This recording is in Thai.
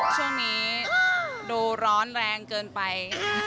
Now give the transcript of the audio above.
ช่วงนี้ดูร้อนแรงเกินไป